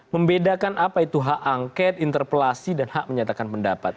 membedakan apa itu hak angket interpelasi dan hak menyatakan pendapat